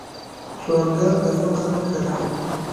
سوالګر د فقر نښه ده